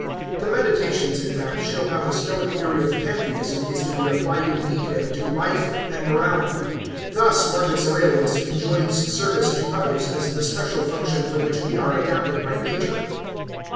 The Meditations in fact show how the tStoic theory of Pantheism is to be applied in detail to life and morality. Thus Marcus Aurelius enjoins service to others as the special function for which we are adapted by nature.